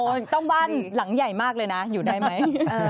ต้องบ้านหลังใหญ่มากเลยนะอยู่ได้ไหม